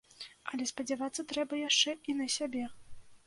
Але спадзявацца трэба яшчэ і на сябе.